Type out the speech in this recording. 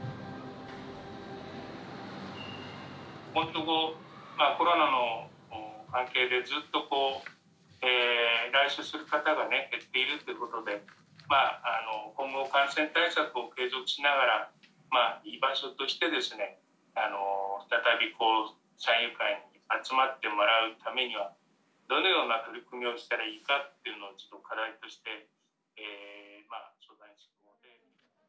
「ここんとこコロナの関係でずっとこう来所する方がね減っているってことでまああの今後感染対策を継続しながらまあ居場所としてですね再び山友会に集まってもらうためにはどのような取り組みをしたらいいかっていうのを課題として」。